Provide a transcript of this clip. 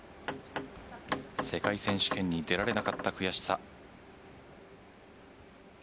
世界選手権に出られなかった悔しさ。